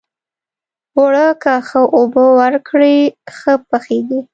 اوړه که ښه اوبه ورکړې، ښه پخیږي